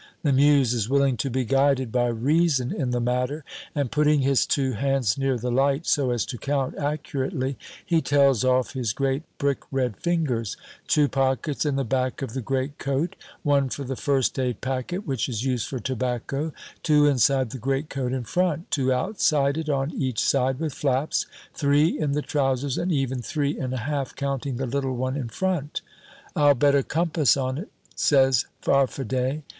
Lamuse is willing to be guided by reason in the matter, and putting his two hands near the light so as to count accurately, he tells off his great brick red fingers: Two pockets in the back of the greatcoat; one for the first aid packet, which is used for tobacco; two inside the greatcoat in front; two outside it on each side, with flaps; three in the trousers, and even three and a half, counting the little one in front. "I'll bet a compass on it," says Farfadet.